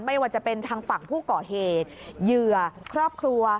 ไม่ว่าจะเป็นทางฝั่งผู้ก่อเหตุเหยื่อครอบครัว